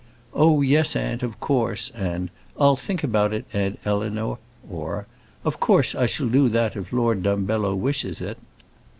"Oh, yes, aunt, of course," and "I'll think about it, aunt Eleanor," or "Of course I shall do that if Lord Dumbello wishes it."